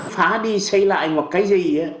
phá đi xây lại một cái gì